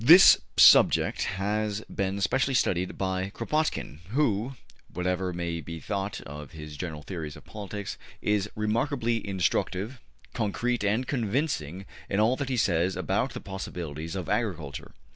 This subject has been specially studied by Kropotkin, who, whatever may be thought of his general theories of politics, is remarkably instructive, concrete and convincing in all that he says about the possibilities of agriculture.